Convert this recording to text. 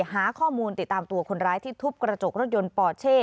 หาข้อมูลติดตามตัวคนร้ายที่ทุบกระจกรถยนต์ปอเช่